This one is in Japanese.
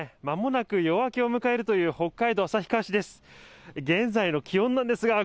まもなく夜明けを迎えるという北海道旭川市です。